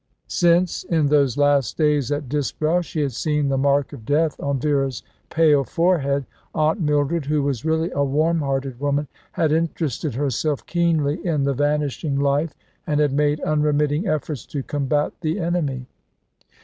Since, in those last days at Disbrowe, she had seen the mark of death on Vera's pale forehead, Aunt Mildred, who was really a warm hearted woman, had interested herself keenly in the vanishing life, and had made unremitting efforts to combat the enemy.